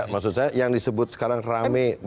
maksud saya yang disebut sekarang rame